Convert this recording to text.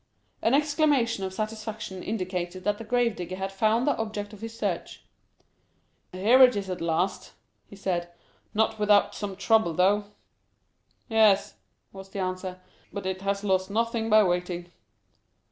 An exclamation of satisfaction indicated that the grave digger had found the object of his search. "Here it is at last," he said, "not without some trouble, though." "Yes," was the answer, "but it has lost nothing by waiting."